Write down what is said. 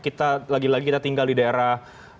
kita lagi lagi kita tinggal di daerah